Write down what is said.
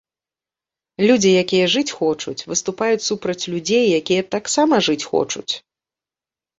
Людзі, якія жыць хочуць, выступаюць супраць людзей, якія таксама жыць хочуць.